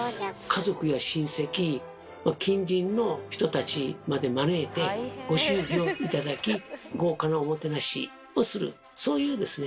家族や親戚近隣の人たちまで招いてご祝儀を頂き豪華なおもてなしをするそういうですね